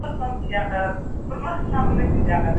پر خاوند باندي د ميرمني د غوښتني منل واجب دي